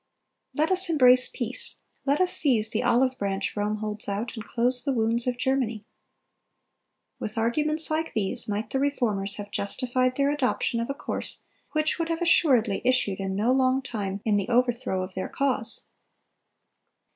Let us embrace peace; let us seize the olive branch Rome holds out, and close the wounds of Germany. With arguments like these might the Reformers have justified their adoption of a course which would have assuredly issued in no long time in the overthrow of their cause.